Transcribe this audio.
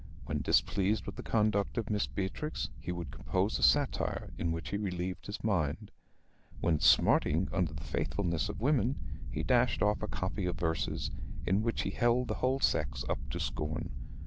When displeased with the conduct of Miss Beatrix, he would compose a satire, in which he relieved his mind. When smarting under the faithlessness of women, he dashed off a copy of verses, in which he held the whole sex up to scorn.